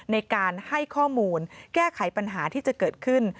ในการให้ข้อมูลแก้ไขปัญหาที่จะเกิดขึ้น